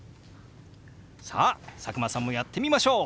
さあ佐久間さんもやってみましょう！